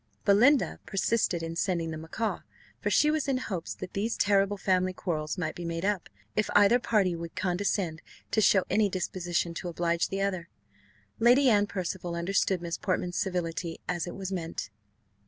Belinda persisted in sending the macaw, for she was in hopes that these terrible family quarrels might be made up, if either party would condescend to show any disposition to oblige the other. Lady Anne Percival understood Miss Portman's civility as it was meant.